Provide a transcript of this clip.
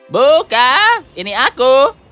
bu kak ini aku